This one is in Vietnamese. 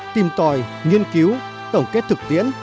tìm tòi nghiên cứu tổng kết thực tiễn